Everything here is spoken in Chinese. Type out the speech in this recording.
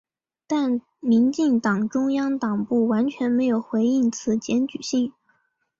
但民进党中央党部完全没有回应此检举信。